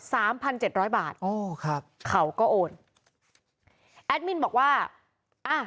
พันเจ็ดร้อยบาทอ๋อครับเขาก็โอนแอดมินบอกว่าอ่า